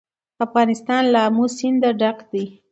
افغانستان له آمو سیند ډک دی.